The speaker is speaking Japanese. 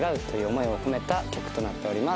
思いを込めた曲となっております。